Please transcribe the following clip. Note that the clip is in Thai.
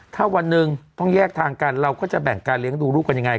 ถ้าวันหนึ่งต้องแยกทางกันเราก็จะแบ่งการเลี้ยงดูลูกกันยังไง